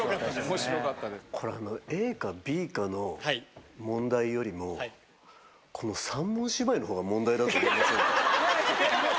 これＡかＢかの問題よりもこの三文芝居の方が問題だと思いませんか？